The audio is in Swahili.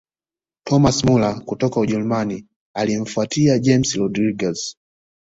thomas muller kutoka ujerumani alimfuatia james rodriguez